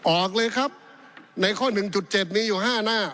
ออกเลยครับในข้อ๑๗มีอยู่๕หน้า